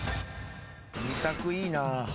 ２択いいな。